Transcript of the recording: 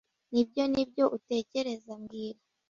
Nibyo nibyo utekereza mbwira